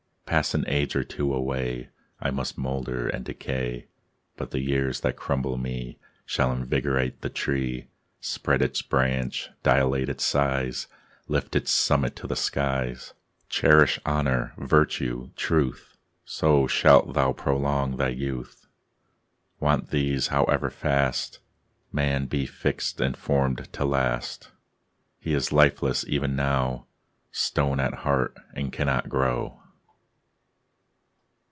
Pass an age or two away, I must moulder and decay, But the years that crumble me Shall invigorate the tree, Spread its branch, dilate its size, Lift its summit to the skies. Cherish honour, virtue, truth, So shalt thou prolong thy youth. Wanting these, however fast Man be fix'd and form'd to last, He is lifeless even now, Stone at heart, and cannot grow.